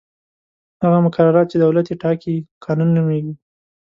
هغه مقررات چې دولت یې ټاکي قانون نومیږي.